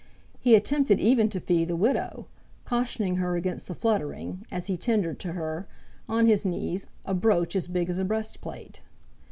He attempted even to fee the widow, cautioning her against the fluttering, as he tendered to her, on his knees, a brooch as big as a breast plate.